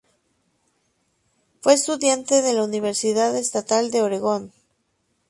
Fue estudiante de la Universidad Estatal de Oregón.